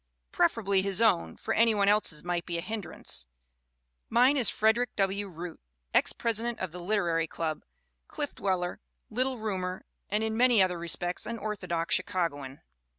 Prefer ably his own, for any one else's might be a hindrance. Mine is Frederick W. Root, ex president of the Liter ary Club, Cliff Dweller, Little Roomer, and in many other respects an orthodox Chicagoan.